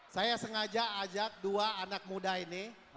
saya sengaja ajak dua anak muda ini